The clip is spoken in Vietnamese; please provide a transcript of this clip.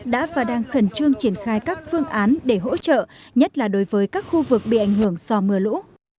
đã và đang khẩn trương triển khai các phương án để hỗ trợ nhất là đối với các khu vực bị ảnh hưởng do mưa lũ